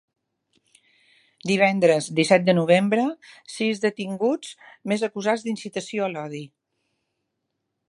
Divendres, disset de novembre – Sis detinguts més acusats d’incitació a l’odi.